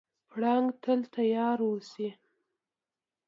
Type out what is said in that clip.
پړانګ تل تیار اوسي.